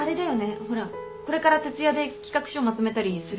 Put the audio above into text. ほらこれから徹夜で企画書まとめたりするよね？